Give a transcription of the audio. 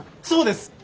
そうです！